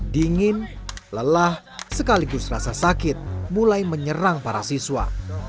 dingin lelah sekaligus rasa sakit mulai menyerang para siswa